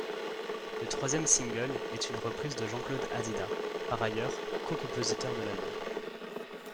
Le troisième single est une reprise de Jean-Claude Hadida, par ailleurs cocompositeur de l'album.